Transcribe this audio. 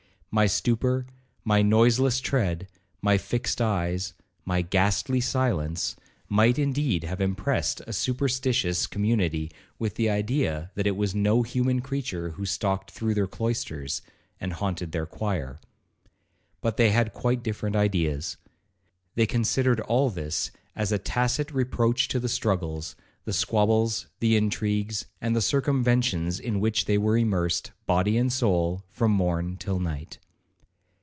My stupor, my noiseless tread, my fixed eyes, my ghastly silence, might indeed have impressed a superstitious community with the idea that it was no human creature who stalked through their cloisters, and haunted their choir. But they had quite different ideas. They considered all this as a tacit reproach to the struggles, the squabbles, the intrigues, and the circumventions, in which they were immersed, body and soul, from morn till night.